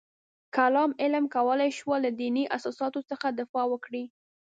کلام علم کولای شول له دیني اساساتو څخه دفاع وکړي.